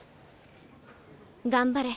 頑張れ。